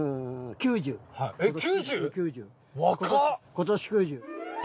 今年９０。